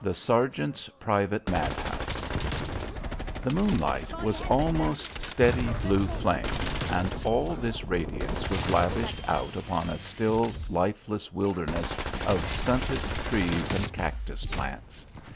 THE SERGEANT'S PRIVATE MADHOUSE The moonlight was almost steady blue flame and all this radiance was lavished out upon a still lifeless wilderness of stunted trees and cactus plants.